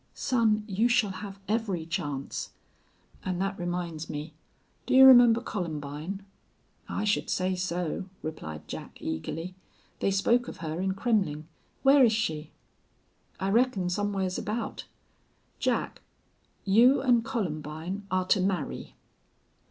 "Son, you shall have every chance. An' thet reminds me. Do you remember Columbine?" "I should say so," replied Jack, eagerly. "They spoke of her in Kremmling. Where is she?" "I reckon somewheres about. Jack, you an' Columbine are to marry."